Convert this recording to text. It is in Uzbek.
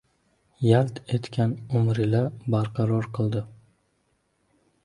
Yalt etgan umri-la barqaror qildi.